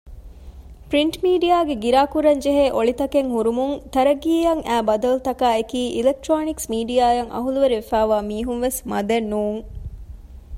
ޕްރިންޓް މީޑިއާގެ ގިރާކުރަންޖެހޭ އޮޅިތަކެއް ހުރުމުން ތަރައްޤީއަށް އައި ބަދަލުތަކާއެކީ އިލެކްޓްރޯނިކްސް މީޑިއާއަށް އަހުލުވެރިވެފައިވާ މީހުންވެސް މަދެއްނޫން